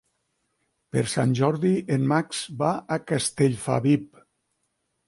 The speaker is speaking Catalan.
Per Sant Jordi en Max va a Castellfabib.